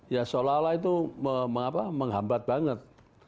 ya seolah olah itu menghambat banget